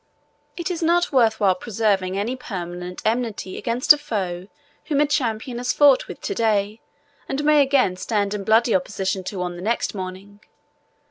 It is not worth while preserving any permanent enmity against a foe whom a champion has fought with to day, and may again stand in bloody opposition to on the next morning.